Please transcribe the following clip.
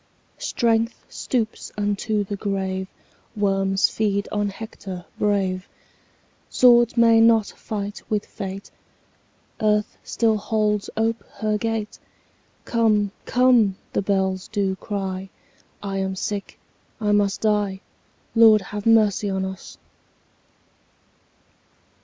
Strength stoops unto the grave, Worms feed on Hector brave; Swords may not fight with fate; Earth still holds ope her gate; 25 Come, come! the bells do cry; I am sick, I must die— Lord, have mercy on us!